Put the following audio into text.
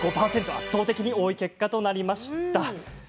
圧倒的に多い結果となりました。